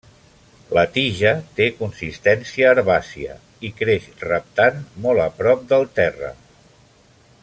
La tija té consistència herbàcia i creix reptant molt a prop del terra.